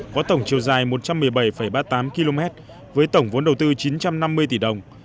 có tổng chiều dài một trăm một mươi bảy ba mươi tám km với tổng vốn đầu tư chín trăm năm mươi tỷ đồng